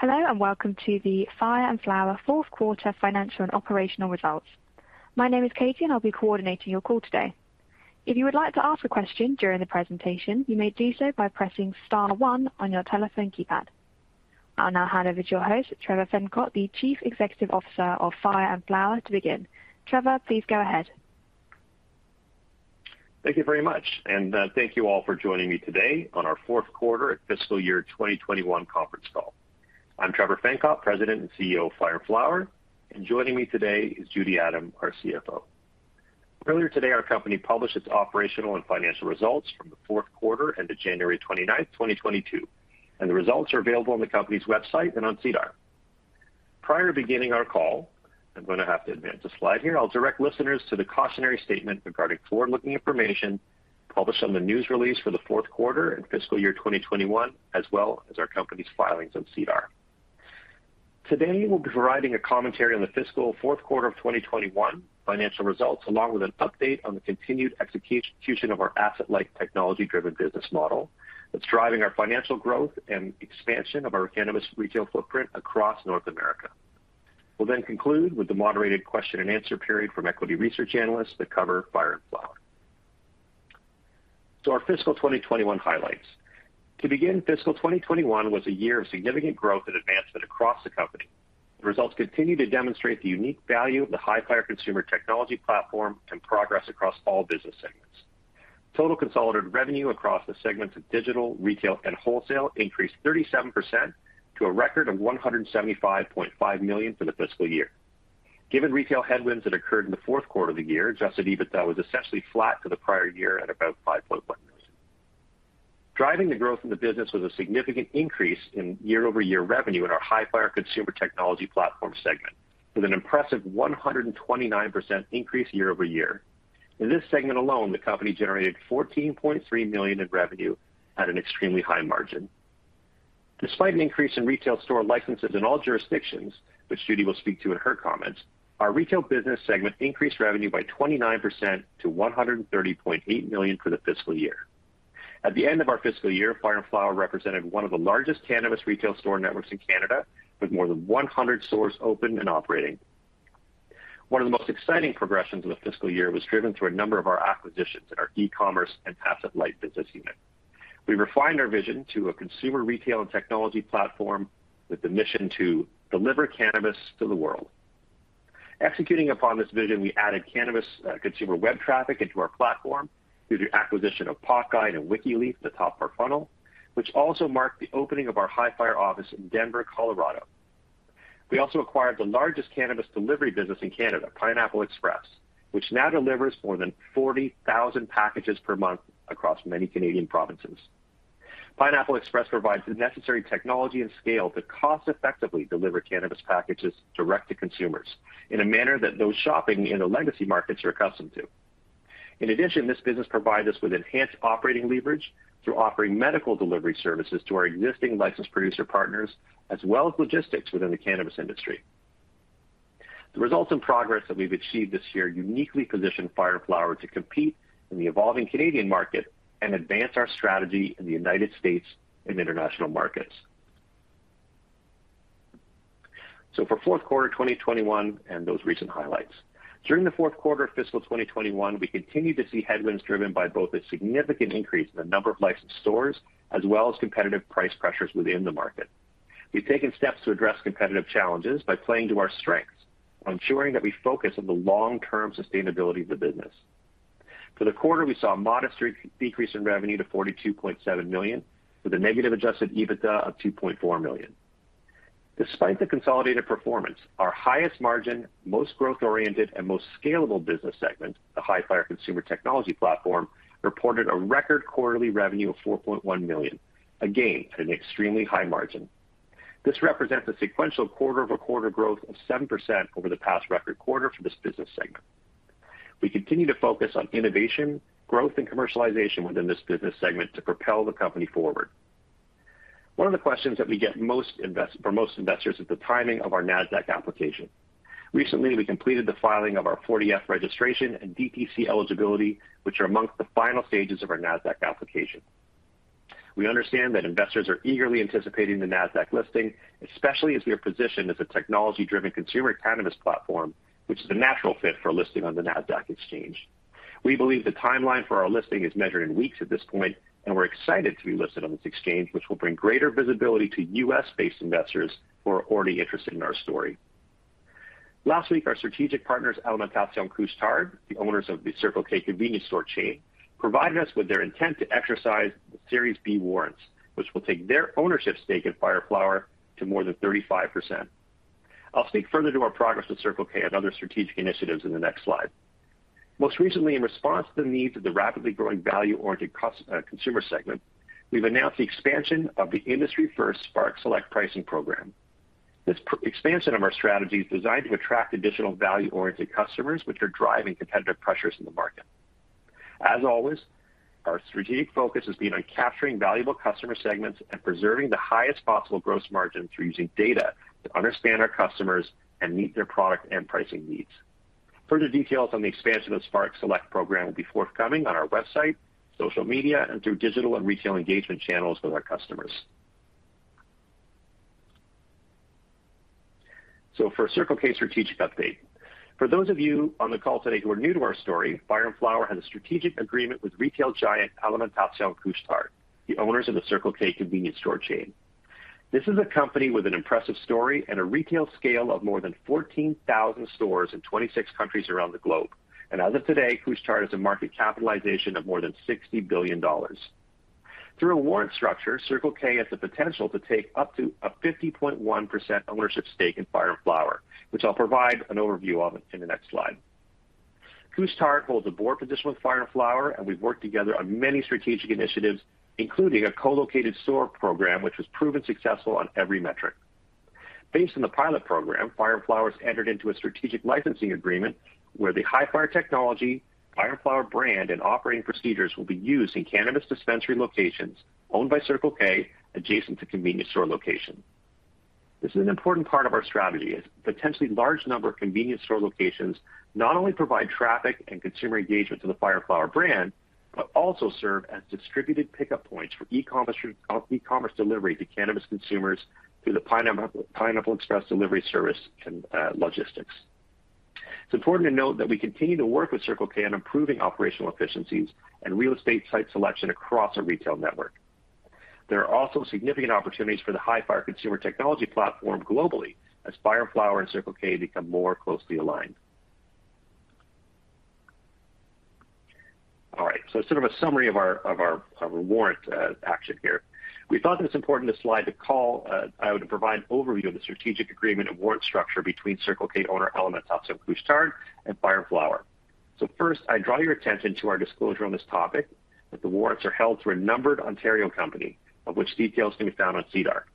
Hello, and welcome to the Fire & Flower Fourth Quarter Financial and Operational Results. My name is Katie, and I'll be coordinating your call today. If you would like to ask a question during the presentation, you may do so by pressing star one on your telephone keypad. I'll now hand over to your host, Trevor Fencott, the Chief Executive Officer of Fire & Flower, to begin. Trevor, please go ahead. Thank you very much. Thank you all for joining me today on our fourth quarter at fiscal year 2021 conference call. I'm Trevor Fencott, President and CEO of Fire & Flower, and joining me today is Judy Adam, our CFO. Earlier today, our company published its operational and financial results from the fourth quarter end of January 29, 2022, and the results are available on the company's website and on SEDAR. Prior to beginning our call, I'm going to have to advance the slide here. I'll direct listeners to the cautionary statement regarding forward-looking information published on the news release for the fourth quarter and fiscal year 2021, as well as our company's filings on SEDAR. Today, we'll be providing a commentary on the fiscal fourth quarter of 2021 financial results, along with an update on the continued execution of our asset-light technology-driven business model that's driving our financial growth and expansion of our cannabis retail footprint across North America. We'll then conclude with the moderated question-and-answer period from equity research analysts that cover Fire & Flower. Our fiscal 2021 highlights. To begin, fiscal 2021 was a year of significant growth and advancement across the company. The results continue to demonstrate the unique value of the Hifyre consumer technology platform and progress across all business segments. Total consolidated revenue across the segments of digital, retail, and wholesale increased 37% to a record of 175.5 million for the fiscal year. Given retail headwinds that occurred in the fourth quarter of the year, adjusted EBITDA was essentially flat for the prior year at about 5.1 million. Driving the growth in the business was a significant increase in year-over-year revenue in our Hifyre consumer technology platform segment, with an impressive 129% increase year-over-year. In this segment alone, the company generated 14.3 million in revenue at an extremely high margin. Despite an increase in retail store licenses in all jurisdictions, which Judy will speak to in her comments, our retail business segment increased revenue by 29% to 130.8 million for the fiscal year. At the end of our fiscal year, Fire & Flower represented one of the largest cannabis retail store networks in Canada, with more than 100 stores open and operating. One of the most exciting progressions of the fiscal year was driven through a number of our acquisitions in our e-commerce and asset-light business unit. We refined our vision to a consumer retail and technology platform with the mission to deliver cannabis to the world. Executing upon this vision, we added cannabis, consumer web traffic into our platform through the acquisition of PotGuide and Wikileaf at the top of our funnel, which also marked the opening of our Hifyre office in Denver, Colorado. We also acquired the largest cannabis delivery business in Canada, Pineapple Express, which now delivers more than 40,000 packages per month across many Canadian provinces. Pineapple Express provides the necessary technology and scale to cost effectively deliver cannabis packages direct to consumers in a manner that those shopping in the legacy markets are accustomed to. In addition, this business provides us with enhanced operating leverage through offering medical delivery services to our existing licensed producer partners as well as logistics within the cannabis industry. The results and progress that we've achieved this year uniquely position Fire & Flower to compete in the evolving Canadian market and advance our strategy in the United States and international markets. For fourth quarter 2021 and those recent highlights. During the fourth quarter of fiscal 2021, we continued to see headwinds driven by both a significant increase in the number of licensed stores as well as competitive price pressures within the market. We've taken steps to address competitive challenges by playing to our strengths, ensuring that we focus on the long-term sustainability of the business. For the quarter, we saw a modest re-decrease in revenue to 42.7 million, with a negative adjusted EBITDA of 2.4 million. Despite the consolidated performance, our highest margin, most growth-oriented, and most scalable business segment, the Hifyre consumer technology platform, reported a record quarterly revenue of 4.1 million, again at an extremely high margin. This represents a sequential quarter-over-quarter growth of 7% over the past record quarter for this business segment. We continue to focus on innovation, growth, and commercialization within this business segment to propel the company forward. One of the questions that we get for most investors is the timing of our Nasdaq application. Recently, we completed the filing of our Form 40-F registration and DTC eligibility, which are amongst the final stages of our Nasdaq application. We understand that investors are eagerly anticipating the Nasdaq listing, especially as we are positioned as a technology-driven consumer cannabis platform, which is a natural fit for a listing on the Nasdaq exchange. We believe the timeline for our listing is measured in weeks at this point, and we're excited to be listed on this exchange, which will bring greater visibility to U.S.-based investors who are already interested in our story. Last week, our strategic partners, Alimentation Couche-Tard, the owners of the Circle K convenience store chain, provided us with their intent to exercise the Series B Warrants, which will take their ownership stake in Fire & Flower to more than 35%. I'll speak further to our progress with Circle K and other strategic initiatives in the next slide. Most recently, in response to the needs of the rapidly growing value-oriented consumer segment, we've announced the expansion of the industry-first Spark Select pricing program. This expansion of our strategy is designed to attract additional value-oriented customers, which are driving competitive pressures in the market. As always, our strategic focus has been on capturing valuable customer segments and preserving the highest possible gross margin through using data to understand our customers and meet their product and pricing needs. Further details on the expansion of Spark Select program will be forthcoming on our website, social media, and through digital and retail engagement channels with our customers. For Circle K strategic update. For those of you on the call today who are new to our story, Fire & Flower has a strategic agreement with retail giant Alimentation Couche-Tard, the owners of the Circle K convenience store chain. This is a company with an impressive story and a retail scale of more than 14,000 stores in 26 countries around the globe. As of today, Couche-Tard has a market capitalization of more than $60 billion. Through a warrant structure, Circle K has the potential to take up to a 50.1% ownership stake in Fire & Flower, which I'll provide an overview of in the next slide. Couche-Tard holds a board position with Fire & Flower, and we've worked together on many strategic initiatives, including a co-located store program, which was proven successful on every metric. Based on the pilot program, Fire & Flower entered into a strategic licensing agreement where the Hifyre technology, Fire & Flower brand and operating procedures will be used in cannabis dispensary locations owned by Circle K adjacent to convenience store location. This is an important part of our strategy. A potentially large number of convenience store locations not only provide traffic and consumer engagement to the Fire & Flower brand, but also serve as distributed pickup points for e-commerce delivery to cannabis consumers through the Pineapple Express Delivery service and logistics. It's important to note that we continue to work with Circle K on improving operational efficiencies and real estate site selection across our retail network. There are also significant opportunities for the Hifyre consumer technology platform globally as Fire & Flower and Circle K become more closely aligned. Sort of a summary of our warrant action here. We thought that it's important this slide to call to provide an overview of the strategic agreement and warrant structure between Circle K owner Alimentation Couche-Tard and Fire & Flower. First, I draw your attention to our disclosure on this topic that the warrants are held through a numbered Ontario company, of which details can be found on SEDAR.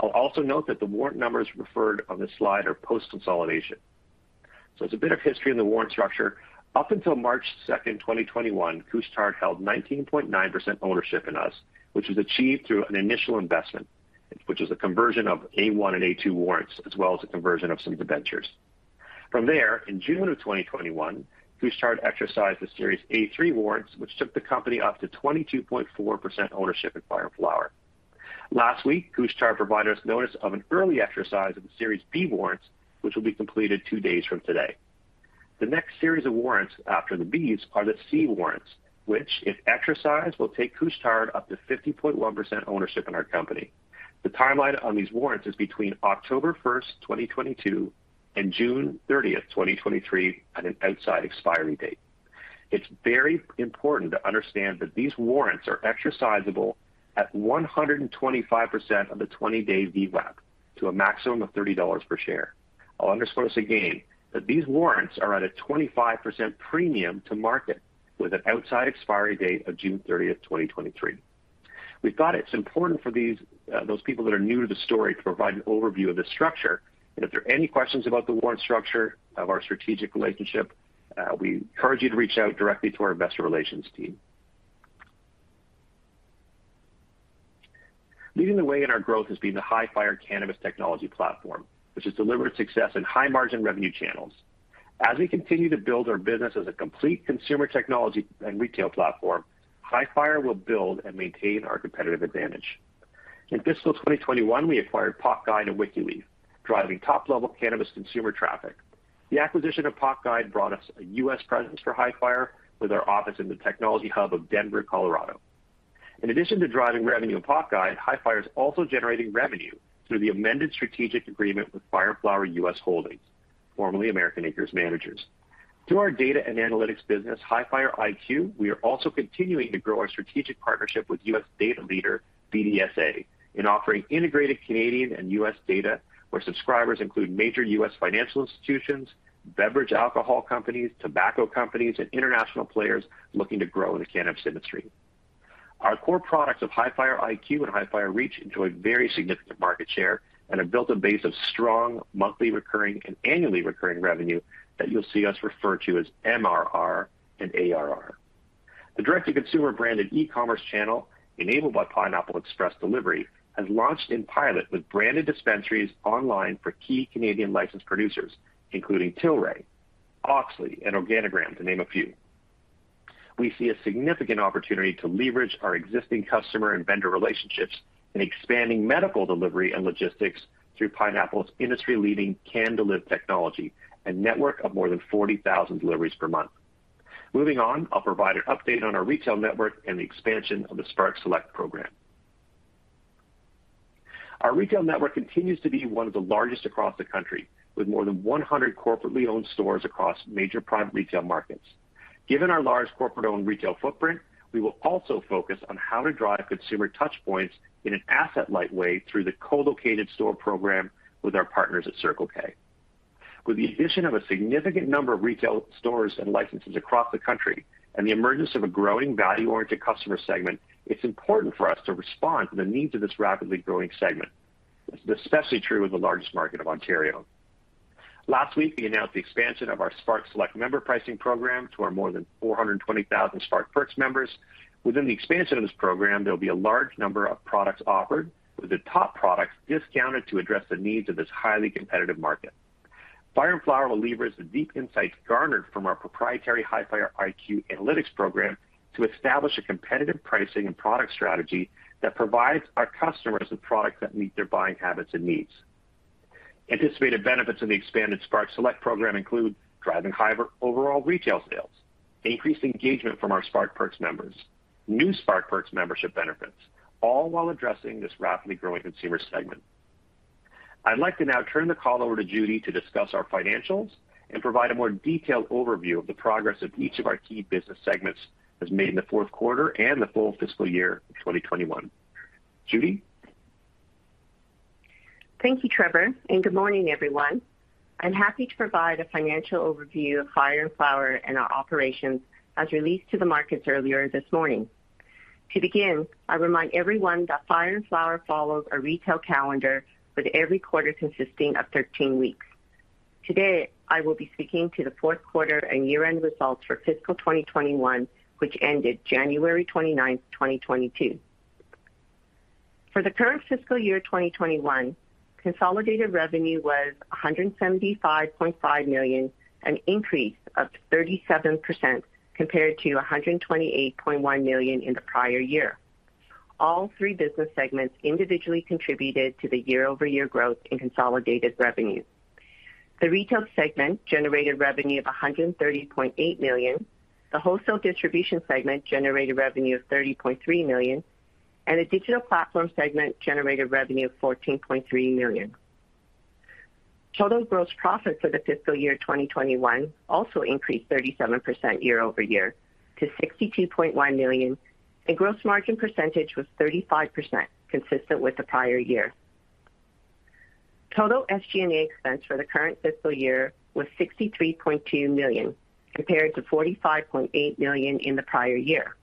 I'll also note that the warrant numbers referred on this slide are post consolidation. It's a bit of history in the warrant structure. Up until March 2, 2021, Couche-Tard held 19.9% ownership in us, which was achieved through an initial investment, which is a conversion of A.1 and A.2 warrants, as well as a conversion of some debentures. From there, in June 2021, Couche-Tard exercised the Series A-3 Warrants, which took the company up to 22.4% ownership in Fire & Flower. Last week, Couche-Tard provided us notice of an early exercise of the Series B Warrants, which will be completed 2 days from today. The next series of warrants after the Bs are the C warrants, which, if exercised, will take Couche-Tard up to 50.1% ownership in our company. The timeline on these warrants is between October 1st, 2022, and June 30th, 2023, at an outside expiry date. It's very important to understand that these warrants are exercisable at 125% of the 20-day VWAP to a maximum of 30 dollars per share. I'll underscore this again, that these warrants are at a 25% premium to market with an outside expiry date of June 30, 2023. We thought it's important for these, those people that are new to the story to provide an overview of this structure. If there are any questions about the warrant structure of our strategic relationship, we encourage you to reach out directly to our investor relations team. Leading the way in our growth has been the Hifyre cannabis technology platform, which has delivered success in high-margin revenue channels. As we continue to build our business as a complete consumer technology and retail platform, Hifyre will build and maintain our competitive advantage. In fiscal 2021, we acquired PotGuide and Wikileaf, driving top-level cannabis consumer traffic. The acquisition of PotGuide brought us a U.S. presence for Hifyre with our office in the technology hub of Denver, Colorado. In addition to driving revenue in PotGuide, Hifyre is also generating revenue through the amended strategic agreement with Fire & Flower U.S. Holdings, formerly American Acres Managers. Through our data and analytics business, Hifyre IQ, we are also continuing to grow our strategic partnership with U.S. data leader BDSA in offering integrated Canadian and U.S. data, where subscribers include major U.S. financial institutions, beverage alcohol companies, tobacco companies, and international players looking to grow in the cannabis industry. Our core products of Hifyre IQ and Hifyre Reach enjoy very significant market share and have built a base of strong monthly recurring and annually recurring revenue that you'll see us refer to as MRR and ARR. The direct-to-consumer branded e-commerce channel enabled by Pineapple Express Delivery has launched in pilot with branded dispensaries online for key Canadian licensed producers, including Tilray, Auxly, and Organigram, to name a few. We see a significant opportunity to leverage our existing customer and vendor relationships in expanding medical delivery and logistics through Pineapple's industry-leading CannDelive technology and network of more than 40,000 deliveries per month. Moving on, I'll provide an update on our retail network and the expansion of the Spark Select program. Our retail network continues to be one of the largest across the country, with more than 100 corporately owned stores across major prime retail markets. Given our large corporate-owned retail footprint, we will also focus on how to drive consumer touch points in an asset-light way through the co-located store program with our partners at Circle K. With the addition of a significant number of retail stores and licenses across the country and the emergence of a growing value-oriented customer segment, it's important for us to respond to the needs of this rapidly growing segment. This is especially true in the largest market of Ontario. Last week, we announced the expansion of our Spark Select member pricing program to our more than 420,000 Spark Perks members. Within the expansion of this program, there will be a large number of products offered, with the top products discounted to address the needs of this highly competitive market. Fire & Flower will leverage the deep insights garnered from our proprietary Hifyre IQ analytics program to establish a competitive pricing and product strategy that provides our customers with products that meet their buying habits and needs. Anticipated benefits of the expanded Spark Select program include driving higher overall retail sales, increased engagement from our Spark Perks members, new Spark Perks membership benefits, all while addressing this rapidly growing consumer segment. I'd like to now turn the call over to Judy to discuss our financials and provide a more detailed overview of the progress of each of our key business segments has made in the fourth quarter and the full fiscal year 2021. Judy. Thank you, Trevor. Good morning, everyone. I'm happy to provide a financial overview of Fire & Flower and our operations as released to the markets earlier this morning. To begin, I remind everyone that Fire & Flower follows a retail calendar, with every quarter consisting of 13 weeks. Today, I will be speaking to the fourth quarter and year-end results for fiscal 2021, which ended January 29th, 2022. For the current fiscal year 2021, consolidated revenue was 175.5 million, an increase of 37% compared to 128.1 million in the prior year. All three business segments individually contributed to the year-over-year growth in consolidated revenue. The retail segment generated revenue of 130.8 million. The wholesale distribution segment generated revenue of 30.3 million, and the digital platform segment generated revenue of 14.3 million. Total gross profit for the fiscal year 2021 also increased 37% year-over-year to 62.1 million, and gross margin percentage was 35%, consistent with the prior year. Total SG&A expense for the current fiscal year was 63.2 million, compared to 45.8 million in the prior year.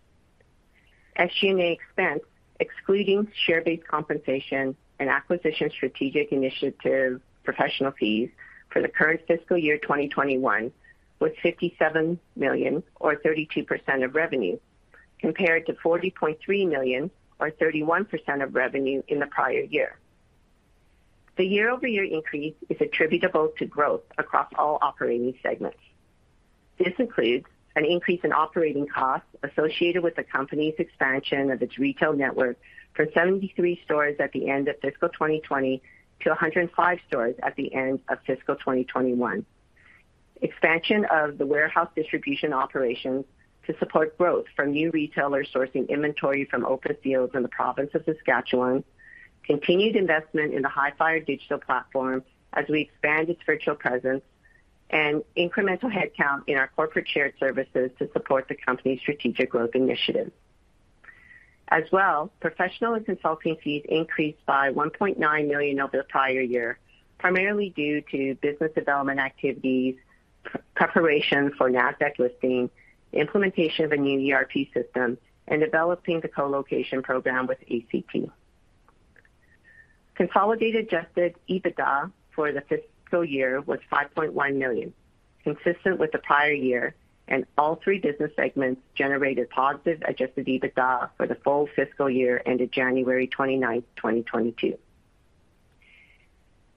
SG&A expense, excluding share-based compensation and acquisition strategic initiative professional fees for the current fiscal year 2021 was 57 million, or 32% of revenue, compared to 40.3 million, or 31% of revenue in the prior year. The year-over-year increase is attributable to growth across all operating segments. This includes an increase in operating costs associated with the company's expansion of its retail network from 73 stores at the end of fiscal 2020 to 105 stores at the end of fiscal 2021. Expansion of the warehouse distribution operations to support growth from new retailers sourcing inventory from Open Fields in the province of Saskatchewan, continued investment in the Hifyre digital platform as we expand its virtual presence, and incremental headcount in our corporate shared services to support the company's strategic growth initiatives. As well, professional and consulting fees increased by 1.9 million over the prior year, primarily due to business development activities, preparation for Nasdaq listing, implementation of a new ERP system, and developing the co-location program with ACT. Consolidated adjusted EBITDA for the fiscal year was 5.1 million, consistent with the prior year. All three business segments generated positive adjusted EBITDA for the full fiscal year ended January 29, 2022.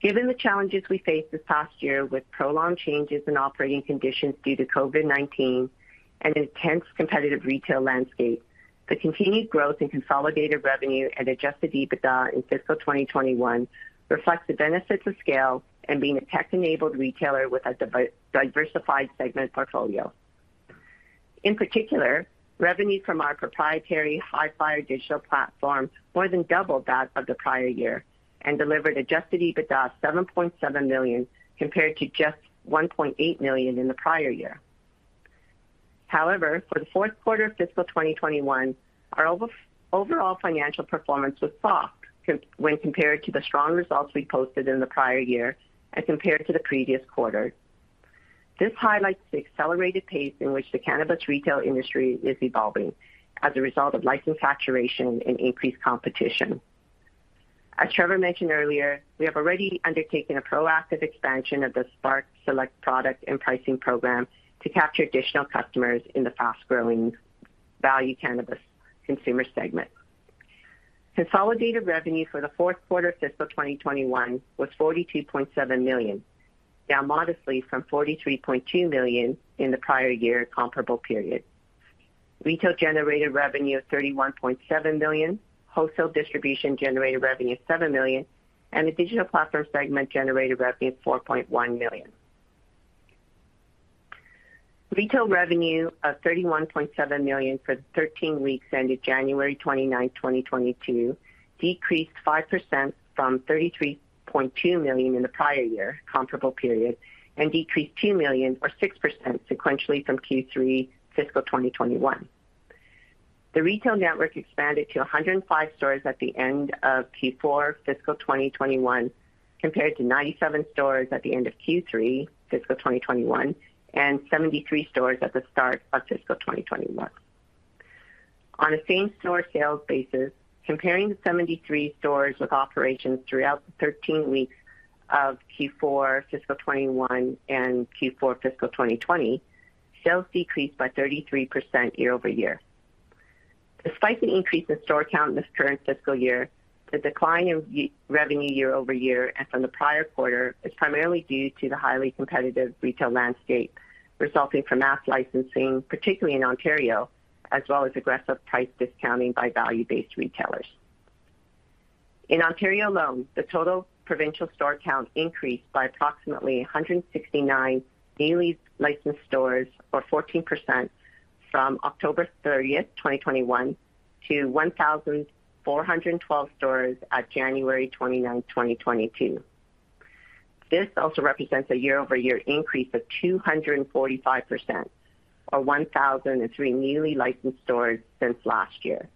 Given the challenges we faced this past year with prolonged changes in operating conditions due to COVID-19 and an intense competitive retail landscape, the continued growth in consolidated revenue and adjusted EBITDA in fiscal 2021 reflects the benefits of scale and being a tech-enabled retailer with a diversified segment portfolio. In particular, revenue from our proprietary Hifyre digital platform more than doubled that of the prior year and delivered adjusted EBITDA of 7.7 million, compared to just 1.8 million in the prior year. For the fourth quarter of fiscal 2021, our overall financial performance was soft when compared to the strong results we posted in the prior year and compared to the previous quarter. This highlights the accelerated pace in which the cannabis retail industry is evolving as a result of license saturation and increased competition. As Trevor mentioned earlier, we have already undertaken a proactive expansion of the Spark Select product and pricing program to capture additional customers in the fast-growing value cannabis consumer segment. Consolidated revenue for the fourth quarter of fiscal 2021 was 42.7 million, down modestly from 43.2 million in the prior year comparable period. Retail generated revenue of 31.7 million, wholesale distribution generated revenue of 7 million, and the digital platform segment generated revenue of 4.1 million. Retail revenue of 31.7 million for the 13 weeks ended January 29, 2022, decreased 5% from 33.2 million in the prior year comparable period and decreased 2 million or 6% sequentially from Q3 fiscal 2021. The retail network expanded to 105 stores at the end of Q4 fiscal 2021, compared to 97 stores at the end of Q3 fiscal 2021 and 73 stores at the start of fiscal 2021. On a same-store sales basis, comparing the 73 stores with operations throughout the 13 weeks of Q4 fiscal 2021 and Q4 fiscal 2020, sales decreased by 33% year-over-year. Despite the increase in store count in this current fiscal year, the decline in y-revenue year-over-year and from the prior quarter is primarily due to the highly competitive retail landscape resulting from mass licensing, particularly in Ontario, as well as aggressive price discounting by value-based retailers. In Ontario alone, the total provincial store count increased by approximately 169 daily licensed stores, or 14% from October 30, 2021 to 1,412 stores at January 29, 2022. This also represents a year-over-year increase of 245%, or 1,003 newly licensed stores since last year.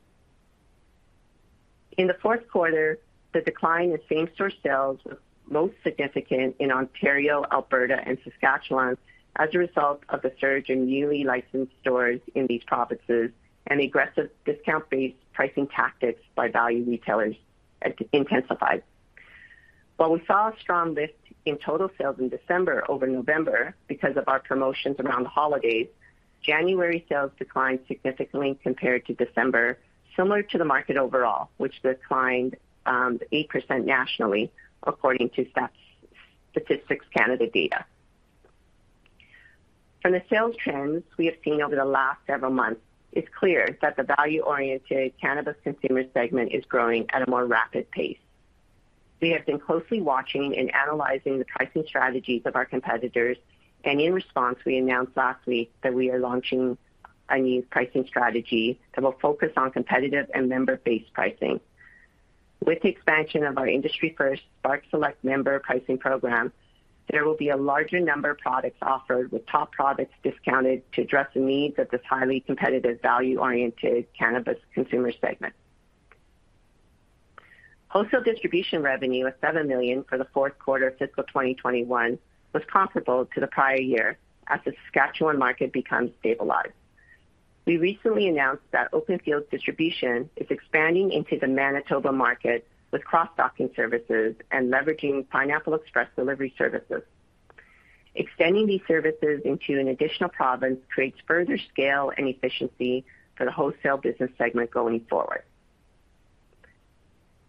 In the fourth quarter, the decline in same-store sales was most significant in Ontario, Alberta, and Saskatchewan as a result of the surge in newly licensed stores in these provinces and aggressive discount-based pricing tactics by value retailers as it intensified. While we saw a strong lift in total sales in December over November because of our promotions around the holidays, January sales declined significantly compared to December, similar to the market overall, which declined 8% nationally, according to Statistics Canada data. From the sales trends we have seen over the last several months, it's clear that the value-oriented cannabis consumer segment is growing at a more rapid pace. In response, we announced last week that we are launching a new pricing strategy that will focus on competitive and member-based pricing. With the expansion of our industry-first Spark Select member pricing program, there will be a larger number of products offered, with top products discounted to address the needs of this highly competitive value-oriented cannabis consumer segment. Wholesale distribution revenue of 7 million for the fourth quarter of fiscal 2021 was comparable to the prior year as the Saskatchewan market becomes stabilized. We recently announced that Open Fields Distribution is expanding into the Manitoba market with cross-docking services and leveraging Pineapple Express Delivery services. Extending these services into an additional province creates further scale and efficiency for the wholesale business segment going forward.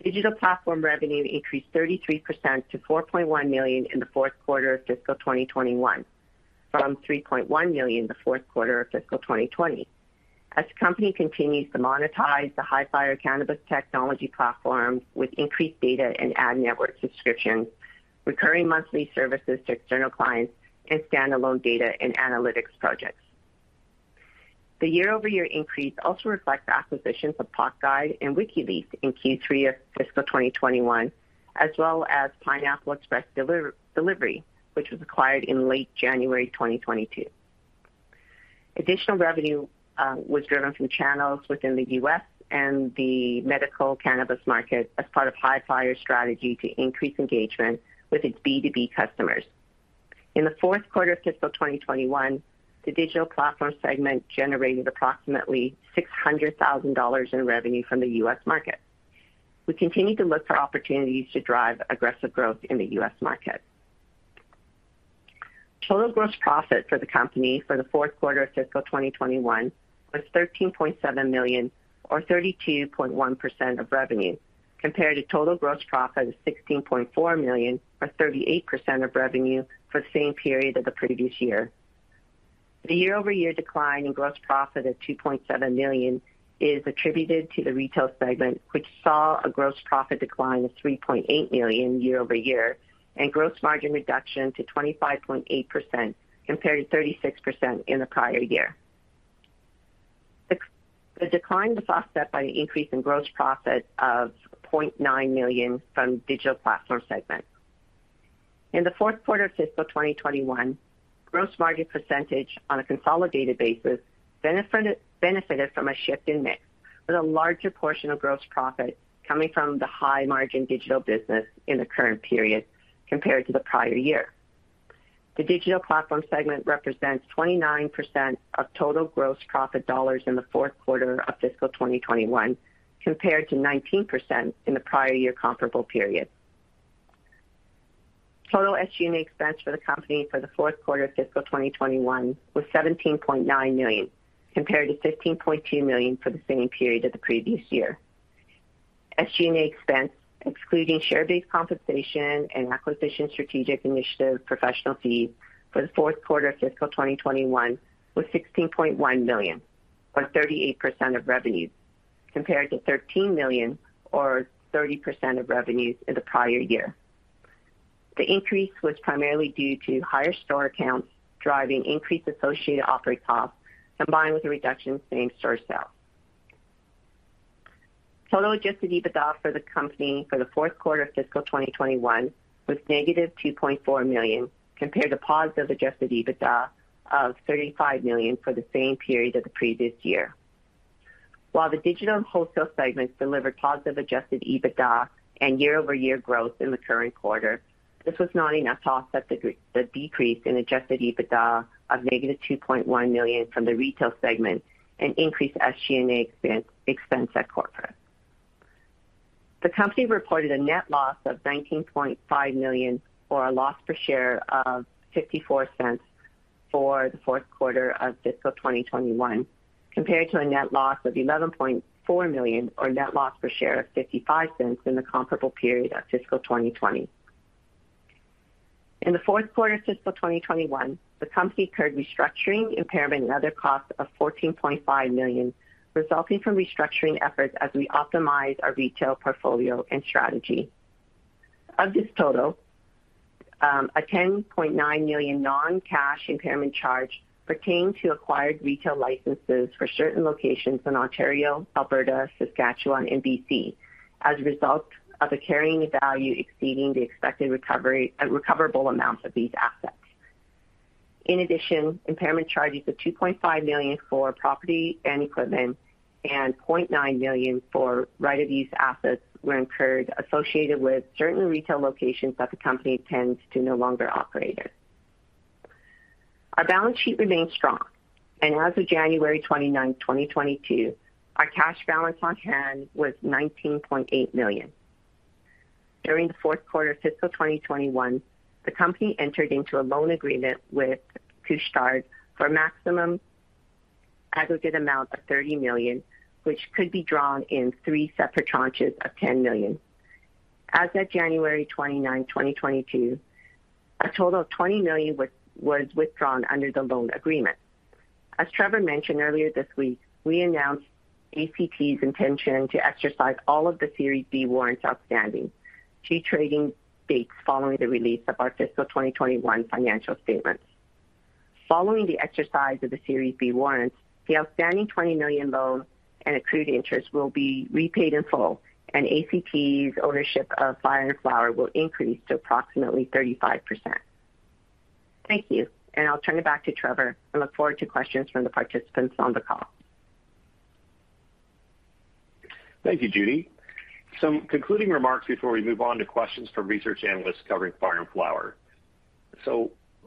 Digital platform revenue increased 33% to 4.1 million in the fourth quarter of fiscal 2021 from 3.1 million the fourth quarter of fiscal 2020. As the company continues to monetize the Hifyre cannabis technology platform with increased data and ad network subscriptions, recurring monthly services to external clients and standalone data and analytics projects. The year-over-year increase also reflects the acquisitions of PotGuide and Wikileaf in Q3 of fiscal 2021, as well as Pineapple Express Delivery, which was acquired in late January 2022. Additional revenue was driven from channels within the U.S. and the medical cannabis market as part of Hifyre's strategy to increase engagement with its B2B customers. In the fourth quarter of fiscal 2021, the digital platform segment generated approximately $600,000 in revenue from the U.S. market. We continue to look for opportunities to drive aggressive growth in the U.S. market. Total gross profit for the company for the fourth quarter of fiscal 2021 was 13.7 million or 32.1% of revenue, compared to total gross profit of 16.4 million or 38% of revenue for the same period of the previous year. The year-over-year decline in gross profit of 2.7 million is attributed to the retail segment, which saw a gross profit decline of 3.8 million year-over-year and gross margin reduction to 25.8% compared to 36% in the prior year. The decline was offset by an increase in gross profit of 0.9 million from digital platform segment. In the fourth quarter of fiscal 2021, gross margin percentage on a consolidated basis benefited from a shift in mix, with a larger portion of gross profit coming from the high-margin digital business in the current period compared to the prior year. The digital platform segment represents 29% of total gross profit dollars in the fourth quarter of fiscal 2021, compared to 19% in the prior year comparable period. Total SG&A expense for the company for the fourth quarter of fiscal 2021 was CAD 17.9 million, compared to CAD 15.2 million for the same period of the previous year. SG&A expense, excluding share-based compensation and acquisition strategic initiative professional fees for the fourth quarter of fiscal 2021 was 16.1 million or 38% of revenues, compared to 13 million or 30% of revenues in the prior year. The increase was primarily due to higher store counts, driving increased associated operating costs, combined with a reduction in same-store sales. Total adjusted EBITDA for the company for the fourth quarter of fiscal 2021 was negative 2.4 million, compared to positive adjusted EBITDA of 35 million for the same period of the previous year. While the digital and wholesale segments delivered positive adjusted EBITDA and year-over-year growth in the current quarter, this was not enough to offset the decrease in adjusted EBITDA of negative 2.1 million from the retail segment and increased SG&A expense at corporate. The company reported a net loss of 19.5 million or a loss per share of 0.54 for the fourth quarter of fiscal 2021, compared to a net loss of 11.4 million or net loss per share of 0.55 in the comparable period of fiscal 2020. In the fourth quarter of fiscal 2021, the company incurred restructuring, impairment, and other costs of 14.5 million resulting from restructuring efforts as we optimize our retail portfolio and strategy. Of this total, a 10.9 million non-cash impairment charge pertained to acquired retail licenses for certain locations in Ontario, Alberta, Saskatchewan, and BC as a result of a carrying value exceeding the expected recoverable amounts of these assets. In addition, impairment charges of 2.5 million for property and equipment and 0.9 million for right-of-use assets were incurred associated with certain retail locations that the company intends to no longer operate in. Our balance sheet remains strong, and as of January 29, 2022, our cash balance on hand was 19.8 million. During the fourth quarter of fiscal 2021, the company entered into a loan agreement with Couche-Tard for a maximum aggregate amount of 30 million, which could be drawn in three separate tranches of 10 million. As of January 29, 2022, a total of 20 million was withdrawn under the loan agreement. As Trevor mentioned earlier this week, we announced ACT's intention to exercise all of the Series B Warrants outstanding, T trading dates following the release of our fiscal 2021 financial statements. Following the exercise of the Series B Warrants, the outstanding 20 million loan and accrued interest will be repaid in full, and ACT's ownership of Fire & Flower will increase to approximately 35%. Thank you. I'll turn it back to Trevor and look forward to questions from the participants on the call. Thank you, Judy. Some concluding remarks before we move on to questions from research analysts covering Fire & Flower.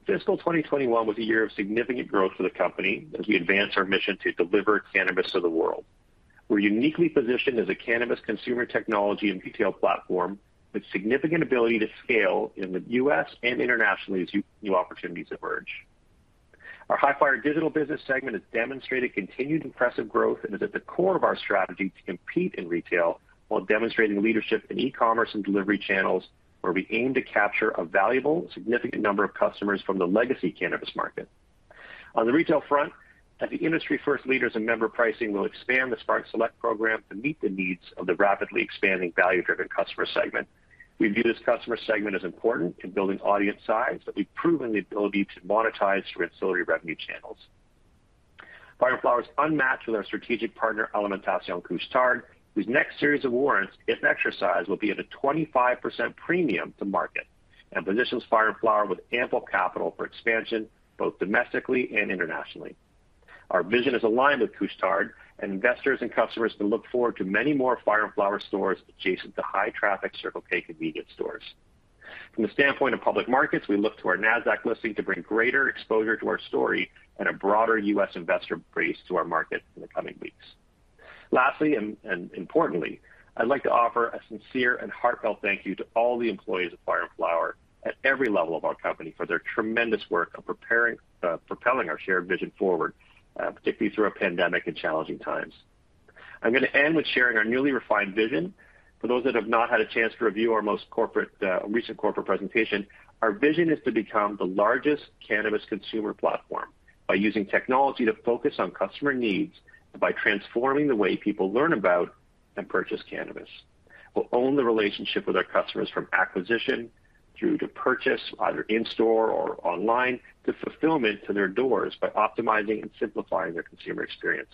Fiscal 2021 was a year of significant growth for the company as we advance our mission to deliver cannabis to the world. We're uniquely positioned as a cannabis consumer technology and retail platform with significant ability to scale in the U.S. and internationally as new opportunities emerge. Our Hifyre digital business segment has demonstrated continued impressive growth and is at the core of our strategy to compete in retail while demonstrating leadership in e-commerce and delivery channels, where we aim to capture a valuable, significant number of customers from the legacy cannabis market. On the retail front, as the industry-first leaders in member pricing will expand the Spark Select program to meet the needs of the rapidly expanding value-driven customer segment. We view this customer segment as important in building audience size that we've proven the ability to monetize through ancillary revenue channels. Fire & Flower is unmatched with our strategic partner Alimentation Couche-Tard, whose next series of warrants, if exercised, will be at a 25% premium to market and positions Fire & Flower with ample capital for expansion, both domestically and internationally. Our vision is aligned with Couche-Tard and investors and customers can look forward to many more Fire & Flower stores adjacent to high-traffic Circle K convenient stores. From the standpoint of public markets, we look to our Nasdaq listing to bring greater exposure to our story and a broader U.S. investor base to our market in the coming weeks. Lastly, and importantly, I'd like to offer a sincere and heartfelt thank you to all the employees of Fire & Flower at every level of our company for their tremendous work of propelling our shared vision forward, particularly through a pandemic and challenging times. I'm going to end with sharing our newly refined vision. For those that have not had a chance to review our most recent corporate presentation, our vision is to become the largest cannabis consumer platform by using technology to focus on customer needs by transforming the way people learn about and purchase cannabis. We'll own the relationship with our customers from acquisition through to purchase, either in store or online, to fulfillment to their doors by optimizing and simplifying their consumer experience.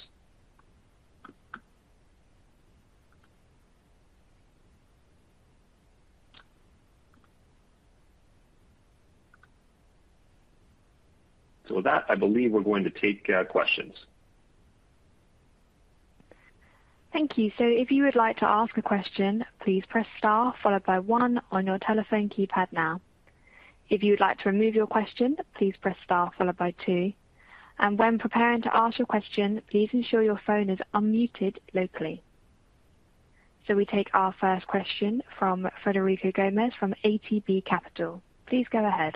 With that, I believe we're going to take questions. Thank you. If you would like to ask a question, please press star followed by one on your telephone keypad now. If you would like to remove your question, please press star followed by two. When preparing to ask your question, please ensure your phone is unmuted locally. We take our first question from Frederico Gomes from ATB Capital. Please go ahead.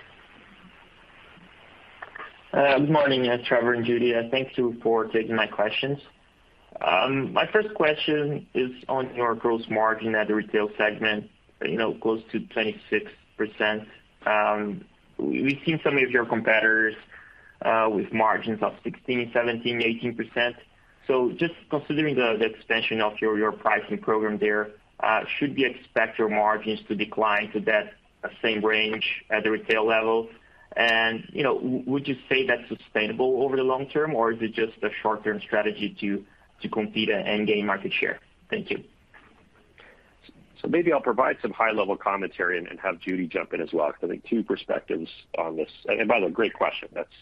Good morning, Trevor and Judy. Thank you for taking my questions. My first question is on your gross margin at the retail segment, you know, close to 26%. We've seen some of your competitors with margins of 16%, 17%, 18%. Just considering the expansion of your pricing program there, should we expect your margins to decline to that same range at the retail level? You know, would you say that's sustainable over the long term, or is it just a short-term strategy to compete and gain market share? Thank you. Maybe I'll provide some high-level commentary and have Judy jump in as well because I think two perspectives on this. By the way, great question. That's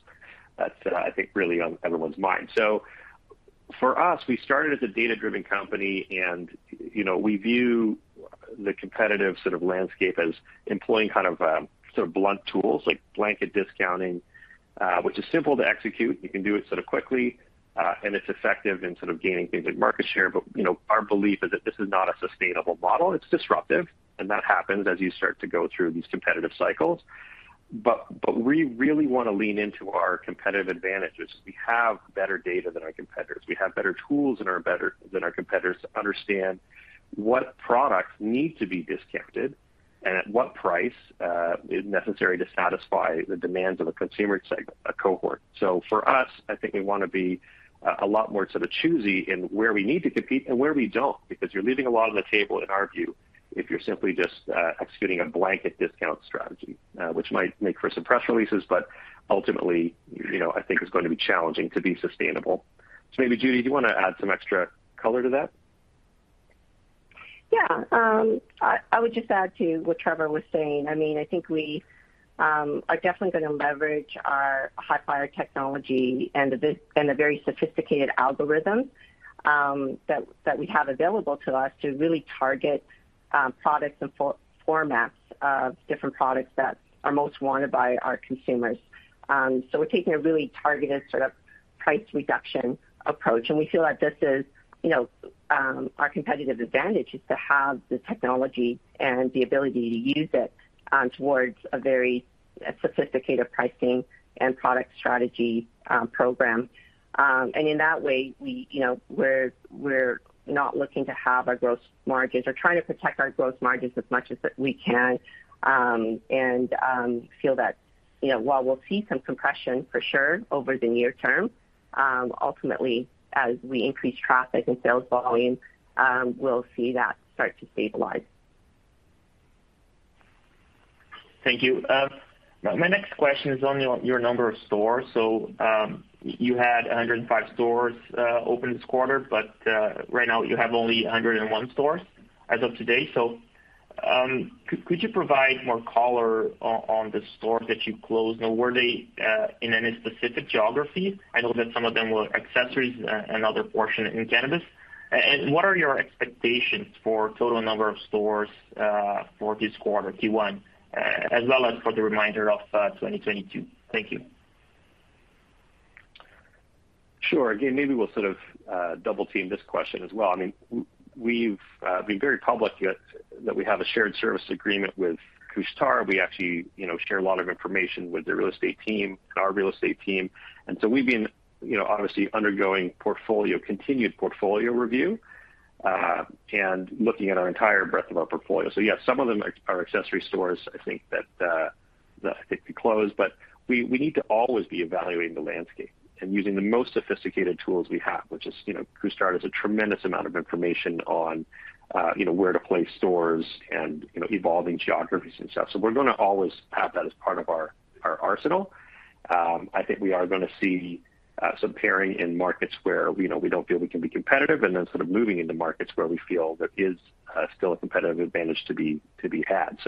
I think really on everyone's mind. For us, we started as a data-driven company, and, you know, we view the competitive sort of landscape as employing kind of sort of blunt tools like blanket discounting, which is simple to execute. You can do it sort of quickly, and it's effective in sort of gaining things like market share. We really wanna lean into our competitive advantages. We have better data than our competitors. We have better tools than our competitors to understand what products need to be discounted and at what price is necessary to satisfy the demands of a consumer cohort. For us, I think we wanna be a lot more sort of choosy in where we need to compete and where we don't, because you're leaving a lot on the table, in our view, if you're simply just executing a blanket discount strategy, which might make for some press releases, but ultimately, you know, I think it's going to be challenging to be sustainable. Maybe, Judy, do you wanna add some extra color to that? I would just add to what Trevor was saying. I mean, I think we are definitely gonna leverage our Hifyre technology and the very sophisticated algorithm that we have available to us to really target products and formats of different products that are most wanted by our consumers. We're taking a really targeted sort of price reduction approach, and we feel like this is, you know, our competitive advantage is to have the technology and the ability to use it towards a very sophisticated pricing and product strategy program. And in that way, we, you know, we're not looking to have our gross margins or trying to protect our gross margins as much as we can, and feel that, you know, while we'll see some compression for sure over the near term, ultimately, as we increase traffic and sales volume, we'll see that start to stabilize. Thank you. My next question is on your number of stores. You had 105 stores open this quarter, but, right now you have only 101 stores as of today. Could you provide more color on the stores that you closed? Were they in any specific geography? I know that some of them were accessories, and other portion in cannabis. What are your expectations for total number of stores for this quarter, Q1, as well as for the reminder of 2022? Thank you. Sure. Again, maybe we'll sort of double-team this question as well. I mean, we've been very public yet that we have a shared service agreement with Couche-Tard. We actually, you know, share a lot of information with their real estate team and our real estate team. We've been, you know, obviously undergoing portfolio, continued portfolio review, and looking at our entire breadth of our portfolio. Yeah, some of them are accessory stores, I think that I think we closed. We, we need to always be evaluating the landscape and using the most sophisticated tools we have, which is, you know, Couche-Tard has a tremendous amount of information on, you know, where to place stores and, you know, evolving geographies and stuff. We're gonna always have that as part of our arsenal. I think we are gonna see some pairing in markets where, you know, we don't feel we can be competitive and then sort of moving into markets where we feel there is still a competitive advantage to be had.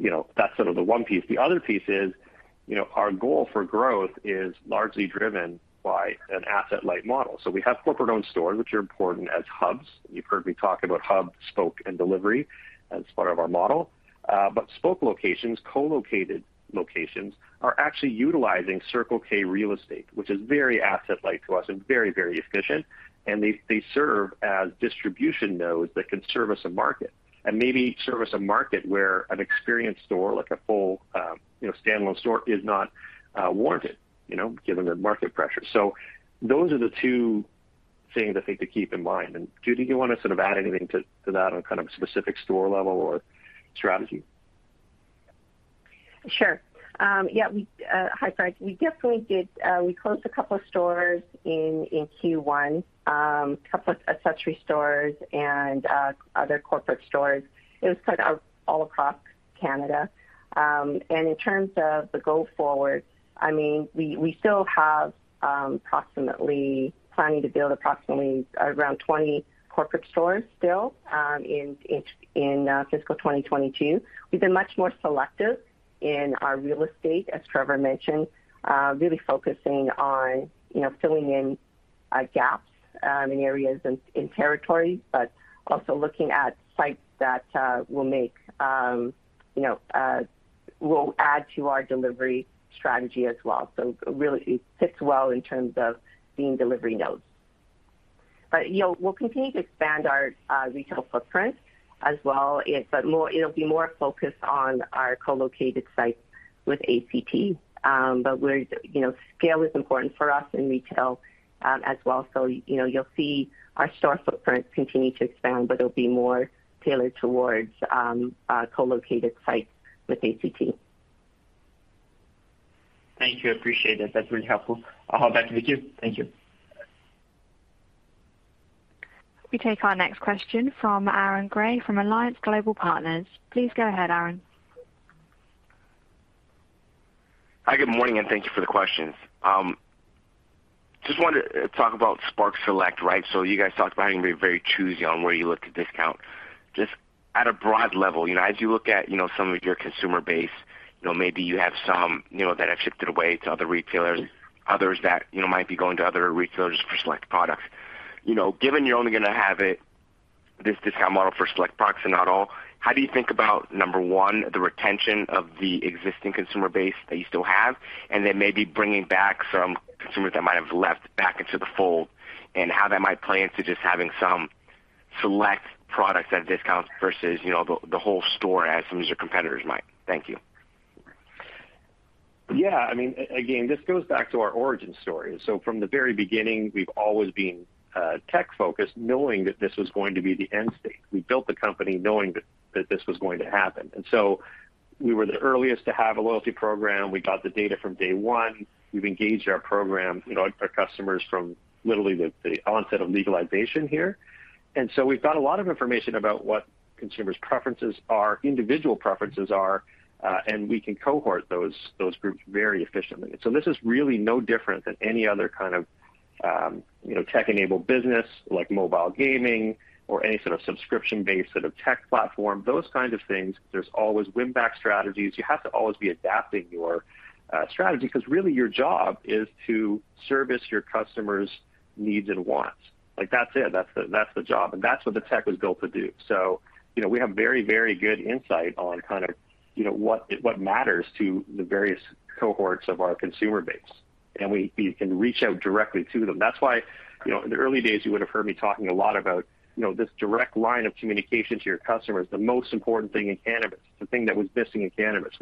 You know, that's sort of the one piece. The other piece is, you know, our goal for growth is largely driven by an asset-light model. We have corporate-owned stores, which are important as hubs. You've heard me talk about hub, spoke, and delivery as part of our model. Spoke locations, co-located locations, are actually utilizing Circle K real estate, which is very asset-light to us and very efficient. They serve as distribution nodes that can service a market, and maybe service a market where an experienced store, like a full, you know, standalone store is not warranted, you know, given the market pressure. Those are the two things I think to keep in mind. Judy, do you wanna sort of add anything to that on kind of a specific store level or strategy? Sure. Yeah, hi, Fred. We definitely did, we closed a couple of stores in Q1, a couple of accessory stores and other corporate stores. It was sort of all across Canada. In terms of the go forward, I mean, we still have, approximately planning to build approximately around 20 corporate stores still, in fiscal 2022. We've been much more selective in our real estate, as Trevor mentioned, really focusing on, you know, filling in gaps, in areas in territories, but also looking at sites that will make, you know, will add to our delivery strategy as well. Really it fits well in terms of being delivery nodes. You know, we'll continue to expand our retail footprint as well. It'll be more focused on our co-located sites with ACT. We're, you know, scale is important for us in retail as well. You know, you'll see our store footprint continue to expand, but it'll be more tailored towards co-located sites with ACT. Thank you. Appreciate it. That's really helpful. I'll hop back to the queue. Thank you. We take our next question from Aaron Grey from Alliance Global Partners. Please go ahead, Aaron. Hi, good morning, thank you for the questions. Just wanted to talk about Spark Select, right? You guys talked about having to be very choosy on where you look to discount. Just at a broad level, you know, as you look at, you know, some of your consumer base, you know, maybe you have some, you know, that have shifted away to other retailers, others that, you know, might be going to other retailers for select products. You know, given you're only gonna have it, this discount model for select products and not all, how do you think about, number one, the retention of the existing consumer base that you still have, and then maybe bringing back some consumers that might have left back into the fold, and how that might play into just having some select products at discounts versus, you know, the whole store as some of your competitors might. Thank you. Yeah. I mean, again, this goes back to our origin story. From the very beginning, we've always been tech-focused, knowing that this was going to be the end state. We built the company knowing that this was going to happen. We were the earliest to have a loyalty program. We got the data from day one. We've engaged our program, you know, our customers from literally the onset of legalization here. We've got a lot of information about what consumers' preferences are, individual preferences are, and we can cohort those groups very efficiently. This is really no different than any other kind of, you know, tech-enabled business like mobile gaming or any sort of subscription-based sort of tech platform, those kinds of things. There's always win-back strategies. You have to always be adapting your strategy because really your job is to service your customers' needs and wants. Like, that's it. That's the, that's the job, and that's what the tech was built to do. You know, we have very, very good insight on kind of, you know, what matters to the various cohorts of our consumer base, and we can reach out directly to them. That's why, you know, in the early days, you would have heard me talking a lot about, you know, this direct line of communication to your customers, the most important thing in cannabis, the thing that was missing in cannabis.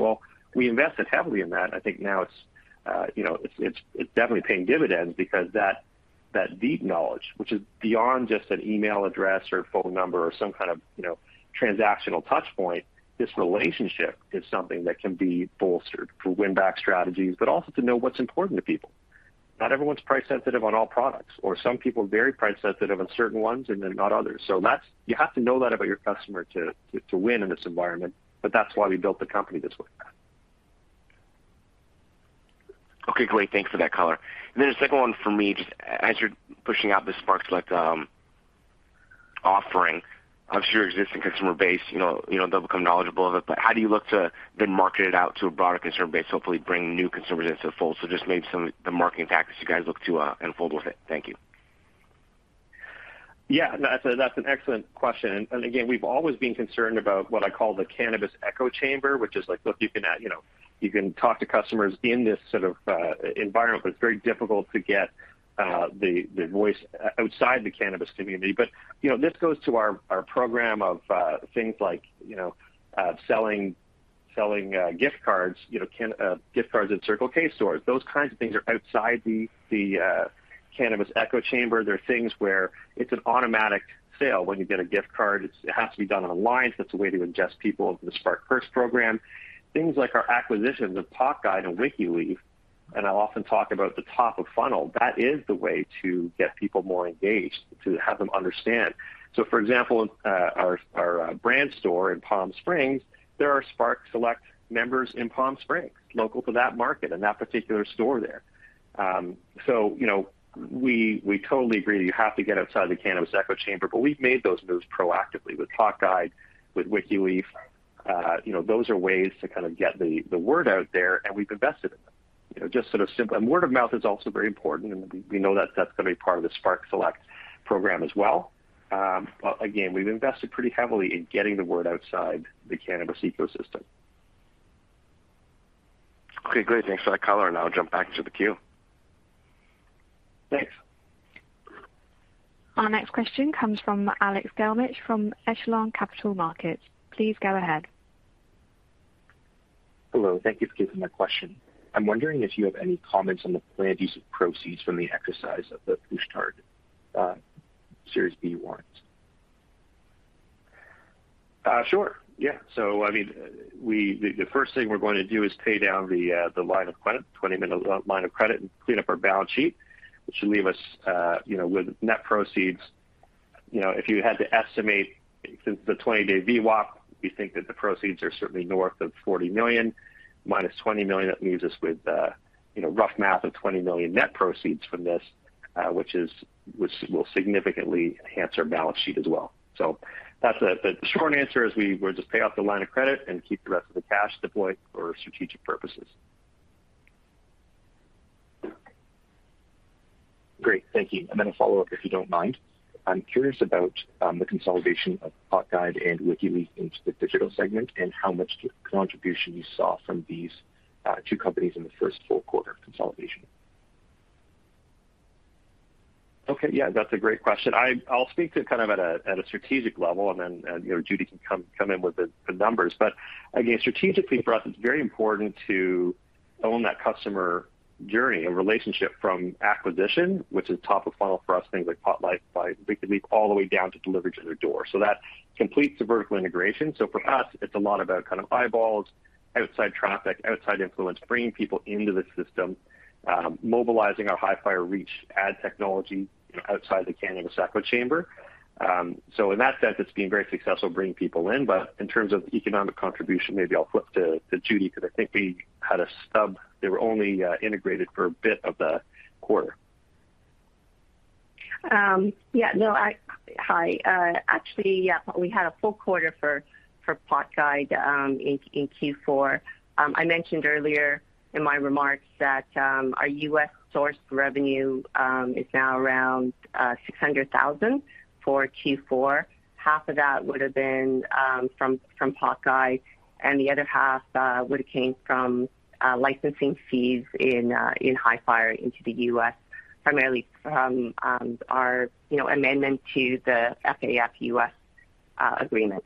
We invested heavily in that. I think now it's, you know, it's definitely paying dividends because that deep knowledge, which is beyond just an email address or phone number or some kind of, you know, transactional touch point, this relationship is something that can be bolstered for win-back strategies, but also to know what's important to people. Not everyone's price sensitive on all products, or some people are very price sensitive on certain ones and then not others. You have to know that about your customer to win in this environment, but that's why we built the company this way. Okay, great. Thanks for that color. A second one for me, just as you're pushing out the Spark Perks, like, offering of your existing customer base, you know, they'll become knowledgeable of it, but how do you look to then market it out to a broader consumer base, hopefully bring new consumers into the fold? Just maybe some of the marketing tactics you guys look to unfold with it. Thank you. Yeah, that's an excellent question. Again, we've always been concerned about what I call the cannabis echo chamber, which is like, look, you can, you know, you can talk to customers in this sort of environment, but it's very difficult to get the voice outside the cannabis community. You know, this goes to our program of things like, you know, selling gift cards, you know, gift cards at Circle K stores. Those kinds of things are outside the cannabis echo chamber. They're things where it's an automatic sale. When you get a gift card, it has to be done online, so it's a way to ingest people into the Spark Perks program. Things like our acquisitions of PotGuide and Wikileaf, and I often talk about the top of funnel. That is the way to get people more engaged, to have them understand. For example, our brand store in Palm Springs, there are Spark Select members in Palm Springs, local to that market and that particular store there. You know, we totally agree that you have to get outside the cannabis echo chamber, but we've made those moves proactively with PotGuide, with Wikileaf. You know, those are ways to kind of get the word out there, and we've invested in them. You know, word of mouth is also very important, and we know that that's going to be part of the Spark Select program as well. Again, we've invested pretty heavily in getting the word outside the cannabis ecosystem. Okay, great. Thanks for that color. I'll jump back to the queue. Thanks. Our next question comes from Andrew Semple from Echelon Capital Markets. Please go ahead. Hello. Thank you for taking my question. I'm wondering if you have any comments on the planned use of proceeds from the exercise of the Couche-Tard Series B warrants. Sure, yeah. I mean, the first thing we're going to do is pay down the line of credit, 20 million line of credit, and clean up our balance sheet, which should leave us, you know, with net proceeds. You know, if you had to estimate since the 20-day VWAP, we think that the proceeds are certainly north of 40 million minus 20 million. That leaves us with, you know, rough math of 20 million net proceeds from this, which will significantly enhance our balance sheet as well. That's the short answer is we'll just pay off the line of credit and keep the rest of the cash deployed for strategic purposes. Great. Thank you. A follow-up, if you don't mind. I'm curious about the consolidation of PotGuide and Wikileaf into the digital segment and how much contribution you saw from these two companies in the first full quarter of consolidation. Okay. Yeah, that's a great question. I'll speak to kind of at a strategic level and then, you know, Judy can come in with the numbers. Again, strategically for us, it's very important to own that customer journey and relationship from acquisition, which is top of funnel for us, things like PotGuide by Wikileaf, all the way down to delivery to their door. That completes the vertical integration. For us, it's a lot about kind of eyeballs, outside traffic, outside influence, bringing people into the system, mobilizing our Hifyre Reach ad technology, you know, outside the cannabis echo chamber. In that sense, it's been very successful bringing people in. In terms of economic contribution, maybe I'll flip to Judy because I think we had a stub. They were only integrated for a bit of the quarter. Yeah, no, Hi. Actually, yeah, we had a full quarter for PotGuide in Q4. I mentioned earlier in my remarks that our U.S.-sourced revenue is now around $600,000 for Q4. Half of that would have been from PotGuide, and the other half would have came from licensing fees in Hifyre into the US, primarily from our, you know, amendment to the FAF US agreement.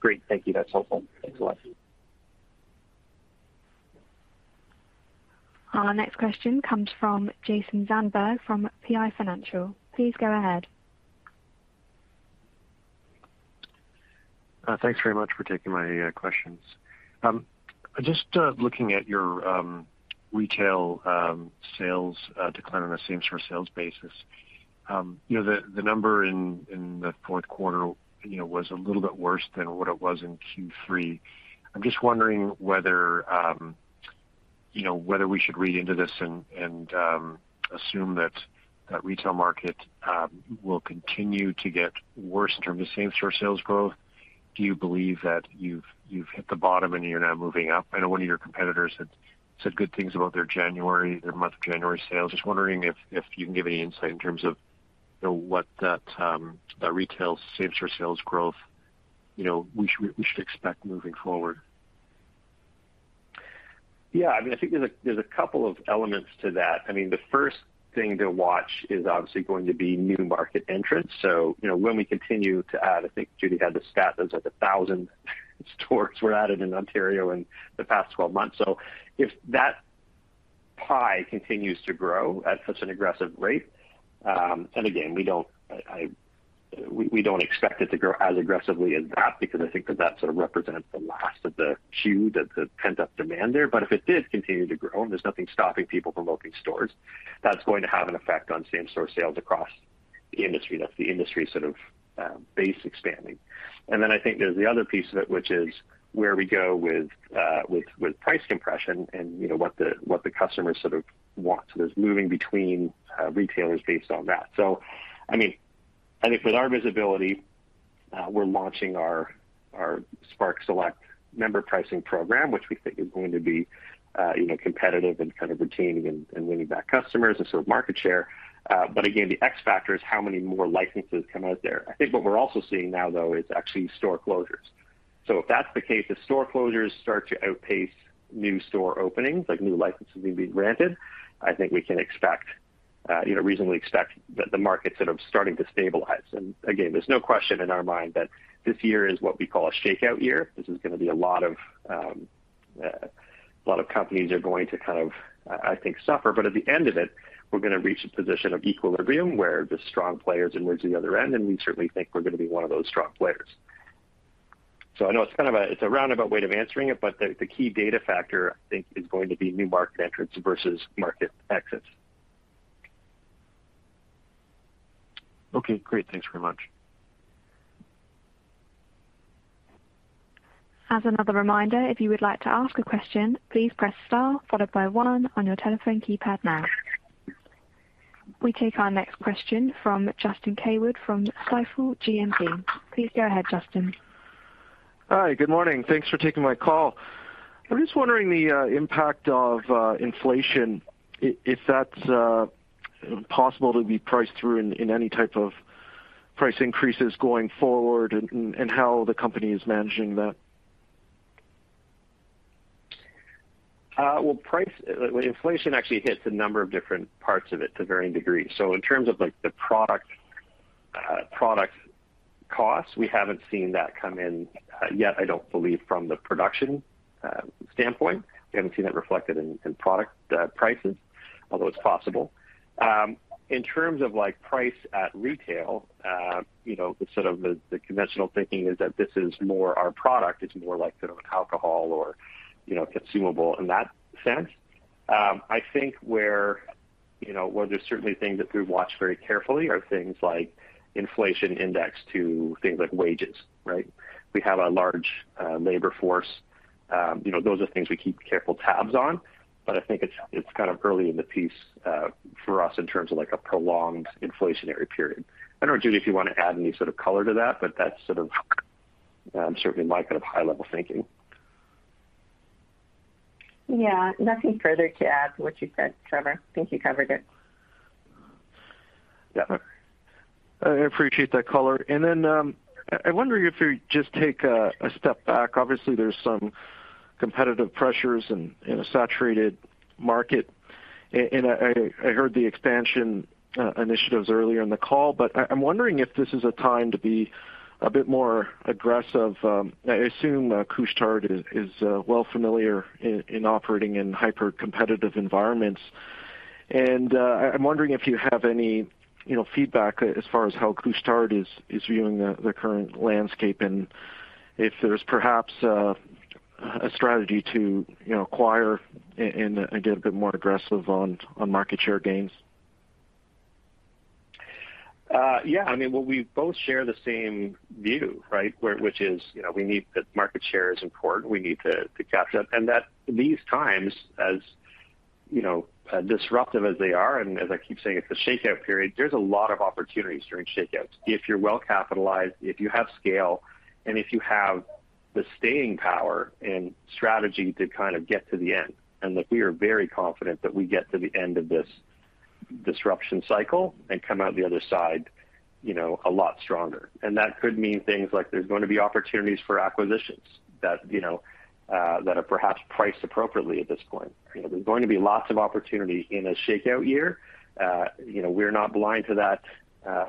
Great. Thank you. That's helpful. Thanks a lot. Our next question comes from Jason Zandberg from PI Financial. Please go ahead. Thanks very much for taking my questions. Just looking at your retail sales decline on a same-store sales basis. You know, the number in the fourth quarter, you know, was a little bit worse than what it was in Q3. I'm just wondering whether, you know, whether we should read into this and assume that that retail market will continue to get worse in terms of same-store sales growth. Do you believe that you've hit the bottom and you're now moving up? I know one of your competitors had said good things about their January, their month January sales. Just wondering if you can give any insight in terms of, you know, what that retail same-store sales growth, you know, we should expect moving forward. Yeah, I mean, I think there's a couple of elements to that. I mean, the first thing to watch is obviously going to be new market entrants. You know, when we continue to add, I think Judy Adam had the stat, it was like 1,000 stores were added in Ontario in the past 12 months. If that pie continues to grow at such an aggressive rate, and again, we don't expect it to grow as aggressively as that because I think that that sort of represents the last of the queue that the pent-up demand there. If it did continue to grow, and there's nothing stopping people from opening stores, that's going to have an effect on same-store sales across the industry. That's the industry sort of base expanding. I think there's the other piece of it, which is where we go with price compression and, you know, what the customer sort of wants. There's moving between retailers based on that. I mean, I think with our visibility, we're launching our Spark Select member pricing program, which we think is going to be, you know, competitive and kind of retaining and winning back customers and sort of market share. But again, the X factor is how many more licenses come out there. I think what we're also seeing now, though, is actually store closures. If that's the case, if store closures start to outpace new store openings, like new licenses being granted, I think we can expect, you know, reasonably expect that the market's sort of starting to stabilize. Again, there's no question in our mind that this year is what we call a shakeout year. This is gonna be a lot of, a lot of companies are going to kind of, I think, suffer. At the end of it, we're gonna reach a position of equilibrium where the strong players emerge at the other end, and we certainly think we're gonna be one of those strong players. I know it's kind of a, it's a roundabout way of answering it, but the key data factor I think is going to be new market entrants versus market exits. Okay, great. Thanks very much. As another reminder, if you would like to ask a question, please press star followed by one on your telephone keypad now. We take our next question from Justin Keywood from Stifel GMP. Please go ahead, Justin. Hi, good morning. Thanks for taking my call. I'm just wondering the impact of inflation if that's possible to be priced through in any type of price increases going forward and how the company is managing that? Well, price... inflation actually hits a number of different parts of it to varying degrees. In terms of like the product costs, we haven't seen that come in, yet, I don't believe from the production standpoint. We haven't seen that reflected in product prices, although it's possible. In terms of like price at retail, you know, the sort of the conventional thinking is that this is more our product. It's more like sort of an alcohol or, you know, consumable in that sense. I think where, you know, where there's certainly things that we watch very carefully are things like inflation indexed to things like wages, right? We have a large labor force. You know, those are things we keep careful tabs on, but I think it's kind of early in the piece for us in terms of like a prolonged inflationary period. I don't know, Judy, if you wanna add any sort of color to that, but that's sort of certainly my kind of high-level thinking. Yeah. Nothing further to add to what you said, Trevor. I think you covered it. Yeah. I appreciate that color. Then, I wonder if you just take a step back. Obviously there's some competitive pressures in a saturated market. I heard the expansion initiatives earlier in the call, but I'm wondering if this is a time to be a bit more aggressive. I assume Couche-Tard is well familiar in operating in hyper-competitive environments. I'm wondering if you have any, you know, feedback as far as how Couche-Tard is viewing the current landscape and if there's perhaps a strategy to, you know, acquire and get a bit more aggressive on market share gains. Yeah. I mean, well, we both share the same view, right? Which is, you know, we need. That market share is important. We need to capture that. At these times, as, you know, disruptive as they are, and as I keep saying, it's a shakeout period, there's a lot of opportunities during shakeouts. If you're well capitalized, if you have scale, and if you have the staying power and strategy to kind of get to the end. Look, we are very confident that we get to the end of this disruption cycle and come out the other side, you know, a lot stronger. That could mean things like there's gonna be opportunities for acquisitions that, you know, that are perhaps priced appropriately at this point. You know, there's going to be lots of opportunity in a shakeout year. You know, we're not blind to that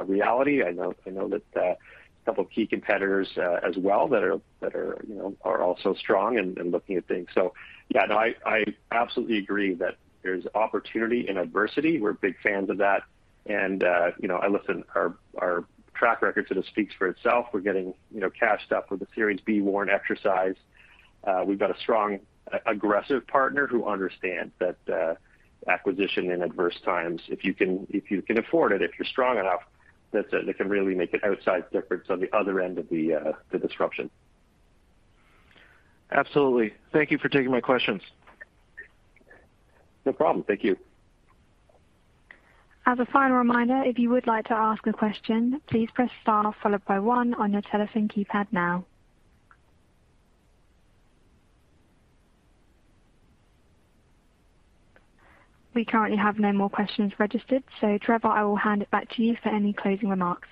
reality. I know that a couple of key competitors as well that are, you know, are also strong and looking at things. Yeah, no, I absolutely agree that there's opportunity in adversity. We're big fans of that. You know, I listen, our track record sort of speaks for itself. We're getting, you know, cashed up with a Series B warrant exercise. We've got a strong, aggressive partner who understands that acquisition in adverse times, if you can afford it, if you're strong enough, that it can really make an outsized difference on the other end of the disruption. Absolutely. Thank you for taking my questions. No problem. Thank you. As a final reminder, if you would like to ask a question, please press star followed by one on your telephone keypad now. We currently have no more questions registered, so Trevor, I will hand it back to you for any closing remarks.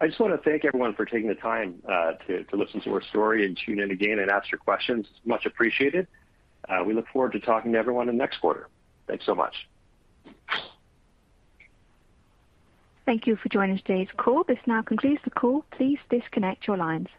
I just wanna thank everyone for taking the time to listen to our story and tune in again and ask your questions. It's much appreciated. We look forward to talking to everyone in the next quarter. Thanks so much. Thank you for joining today's call. This now concludes the call. Please disconnect your lines.